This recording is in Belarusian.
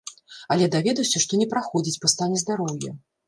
Але даведаўся, што не праходзіць па стане здароўя.